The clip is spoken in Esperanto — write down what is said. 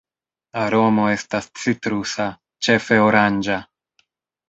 Aromo estas citrusa, ĉefe oranĝa.